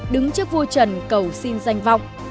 đứng trước vua trần cầu xin danh vọng